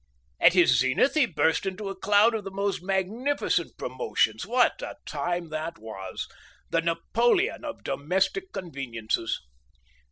At his zenith he burst into a cloud of the most magnificent promotions. What a time that was! The Napoleon of domestic conveniences!